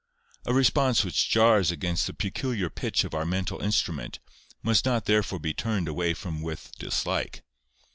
A response which jars against the peculiar pitch of our mental instrument, must not therefore be turned away from with dislike.